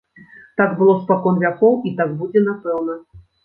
Так было спакон вякоў, і так будзе, напэўна.